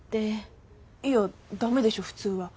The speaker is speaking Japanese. いや駄目でしょ普通は。